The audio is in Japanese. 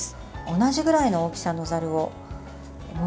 同じぐらいの大きさのざるをもう